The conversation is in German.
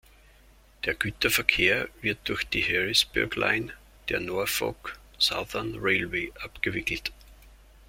Der Güterverkehr wird durch die Harrisburg Line der Norfolk Southern Railway abgewickelt.